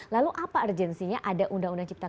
lalu apa urgensinya ada undang undang cipta kerja